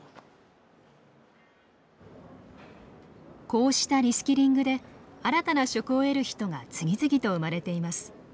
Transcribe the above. こうしたリスキリングで新たな職を得る人が次々と生まれています。